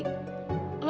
li aku gak tahu